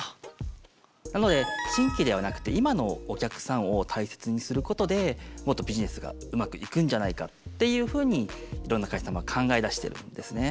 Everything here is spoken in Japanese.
なので新規ではなくて今のお客さんを大切にすることでもっとビジネスがうまくいくんじゃないかっていうふうにいろんな会社様が考え出してるんですね。